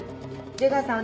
出川さん